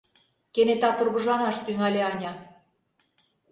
— кенета тургыжланаш тӱҥале Аня.